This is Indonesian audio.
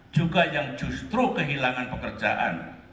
juga yang justru kehilangan pekerjaan